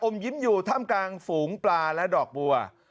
โอมยิ้มอยู่ถ้ำกาลฝูงปลาและดอกบัว